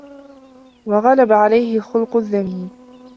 وَغَلَبَ عَلَيْهِ الْخُلُقُ الذَّمِيمِ